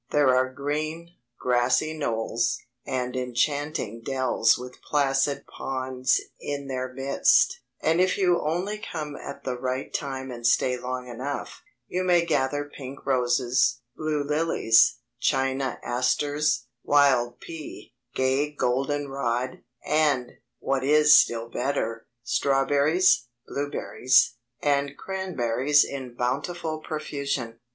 There are green, grassy knolls, and enchanting dells with placid ponds in their midst; and if you only come at the right time and stay long enough, you may gather pink roses, blue lilies, China asters, wild pea, gay golden rod, and, what is still better, strawberries, blueberries, and cranberries in bountiful profusion.